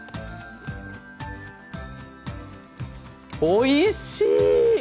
おいしい！